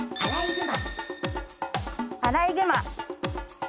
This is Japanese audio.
アライグマ！